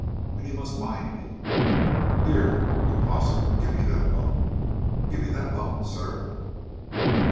And he must mind me. Here, you, Possum, give me that bone! Give me that bone, sir!"